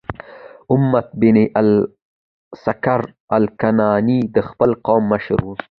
امیة بن الاسکر الکناني د خپل قوم مشر و،